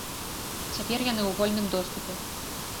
Цяпер яны ў вольным доступе.